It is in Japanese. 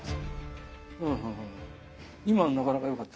今のなかなか良かった。